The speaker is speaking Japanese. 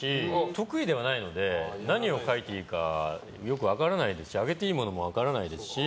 得意ではないので何を書いていいかよく分からないですし上げていいものも分からないですし。